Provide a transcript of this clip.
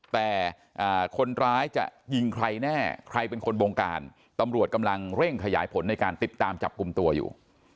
แต่คนร้ายจะยิงใครแน่ใครเป็นคนบงการตำรวจกำลังเร่งขยายผลในการติดตามจับกลุ่มตัวอยู่